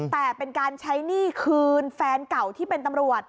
แต่เป็นการใช้หนี้คืนแฟนเก่าที่เป็นตำรวจ